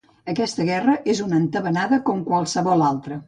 Aquesta guerra és una entabanada com qualsevol altra